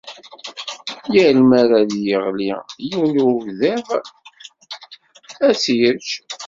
Yall mi ara d-yeɣli yiwen ugdiḍ, ad t-yečč.